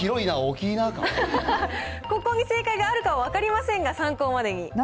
ここに正解があるかは分かりませんが、参考までに。